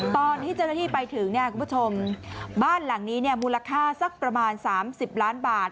ตอนที่เจ้าหน้าที่ไปถึงเนี่ยคุณผู้ชมบ้านหลังนี้เนี่ยมูลค่าสักประมาณ๓๐ล้านบาท